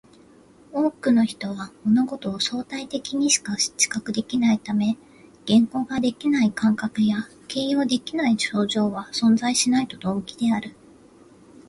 多くの人は物事を相対的にしか知覚できないため、言語化できない感覚や形容できない症状は存在しないと同義である